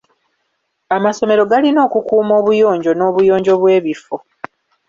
Amasomero galina okukuuma obuyonjo n'obuyonjo bw'ebifo.